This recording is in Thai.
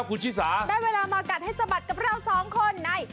คุณชิสาได้เวลามากัดให้สะบัดกับเราสองคนใน